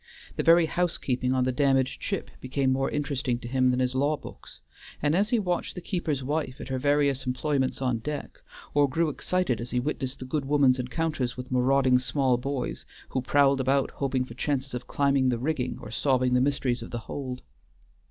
The very housekeeping on the damaged ship became more interesting to him than his law books, and he watched the keeper's wife at her various employments on deck, or grew excited as he witnessed the good woman's encounters with marauding small boys, who prowled about hoping for chances of climbing the rigging or solving the mysteries of the hold.